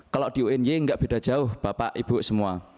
kalau di uny enggak beda jauh bapak ibu semua